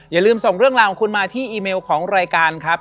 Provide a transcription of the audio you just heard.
อย่าลืมส่งเรื่องราวของคุณมาที่อีเมลของรายการครับ